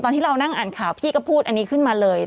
ที่เรานั่งอ่านข่าวพี่ก็พูดอันนี้ขึ้นมาเลย